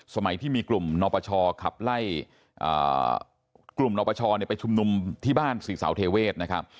สมัยที่มีกลุ่มปรชกลุ่มปรชไปชุมนุมที่บ้านสี่สาวเทเวชนะครับ